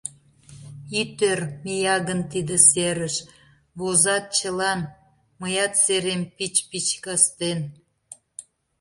Ит ӧр, мия гын тиде серыш, Возат чылан, мыят серем пич-пич кастен».